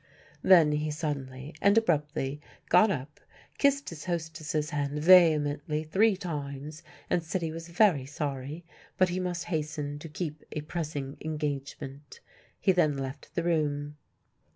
Then he suddenly and abruptly got up, kissed his hostess's hand vehemently three times, and said he was very sorry, but he must hasten to keep a pressing engagement. He then left the room.